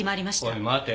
おい待て。